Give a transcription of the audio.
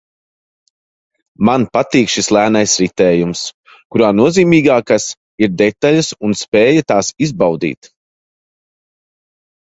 Man patīk šis lēnais ritējums, kurā nozīmīgākas ir detaļas un spēja tās izbaudīt